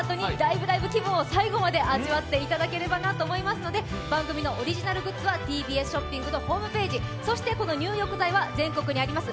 気分を最後まで味わっていただければと思いますので番組のオリジナルグッズはＴＢＳショッピングのホームページそしてこの入浴剤は全国にあります